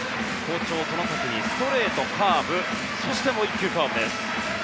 好調、外崎にストレート、カーブそしてもう１球カーブです。